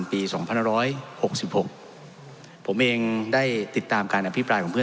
ปีสองพันร้อยหกสิบหกผมเองได้ติดตามการอภิปรายของเพื่อน